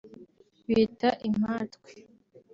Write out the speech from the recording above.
bita impatwe